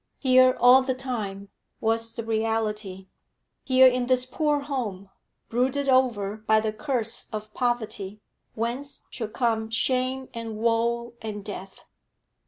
Here, all the time, was the reality; here in this poor home, brooded over by the curse of poverty, whence should come shame and woe and death.